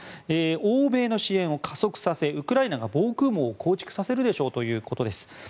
欧米の支援を加速させウクライナが防空網を構築させるでしょうということです。